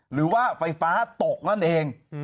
หรือว่าไฟฟ้าตกนั่นเอง